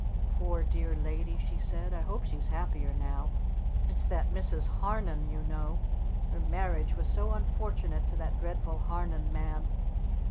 "Poor dear Lady," she said. "I hope she's happier now. It's that Mrs. Harnon, you know. Her marriage was so unfortunate to that dreadful Harnon man."